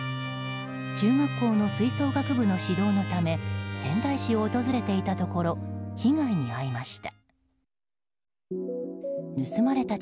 中学校の吹奏楽部の指導のため仙台市を訪れていたところ被害に遭いました。